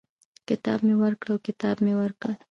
کتاب مي ورکړ او کتاب مې ورکړ.